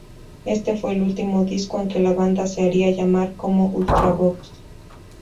Este fue el último disco en que la banda se haría llamar como "Ultravox!